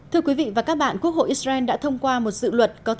thưa quý vị và các bạn quốc hội israel thông qua luật hợp pháp hóa nhà định cư ở bờ tây